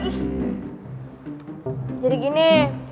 eh jadi gini